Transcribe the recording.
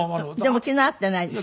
でも昨日会っていないでしょ？